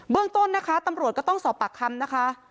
เรื่องต้นนะคะตำรวจก็ต้องสอบปากคำนะคะ